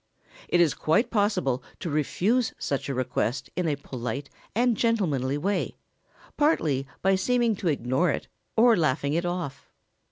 It is quite possible to refuse such a request in a polite and gentlemanly way, partly by seeming to ignore it or laughing it off.